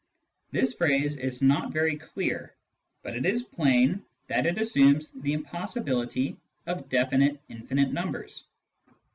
This phrase is not very clear, but it is plain that it assumes the impossibility of definite infinite numbers.